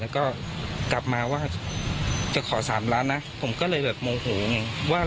แล้วก็กลับมาว่าจะขอ๓ล้านบาทนะผมก็เลยโมงโหว่ง่าย